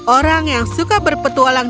orang yang suka berpetualang